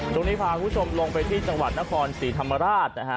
วันนี้พาคุณผู้ชมลงไปที่จังหวัดนครสถิธรรมราช